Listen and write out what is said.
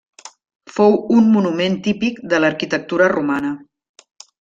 Fou un monument típic de l'arquitectura romana.